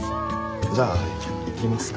じゃあ行きますか。